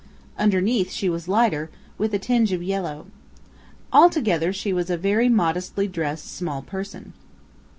Underneath she was lighter, with a tinge of yellow. All together she was a very modestly dressed small person.